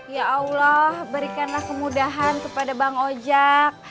ya allah berikanlah kemudahan kepada bang ojek